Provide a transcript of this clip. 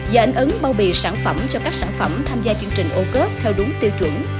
và ảnh ứng bao bì sản phẩm cho các sản phẩm tham gia chương trình ô cớp theo đúng tiêu chuẩn